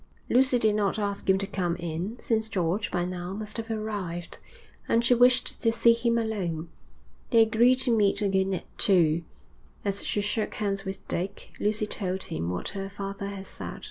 Lucy did not ask him to come in, since George, by now, must have arrived, and she wished to see him alone. They agreed to meet again at two. As she shook hands with Dick, Lucy told him what her father had said.